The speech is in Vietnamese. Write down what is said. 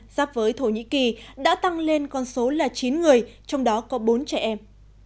giáp với thổ nhĩ kỳ đã tăng lên con số là chín người trong đó có bốn trẻ em